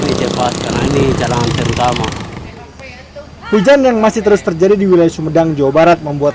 ini cepat karena ini cadangan terutama hujan yang masih terus terjadi di wilayah sumedang jawa barat membuat